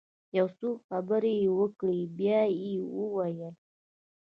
يو څو خبرې يې وکړې بيا يې وويل.